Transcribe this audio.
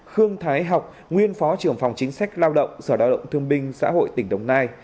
khương thái học nguyên phó trưởng phòng chính sách lao động sở lao động thương binh xã hội tỉnh đồng nai